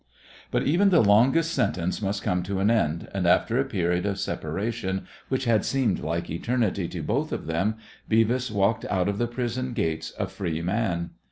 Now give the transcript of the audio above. But even the longest sentence must come to an end, and after a period of separation which had seemed like eternity to both of them Beavis walked out of the prison gates a free man.